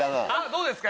どうですか？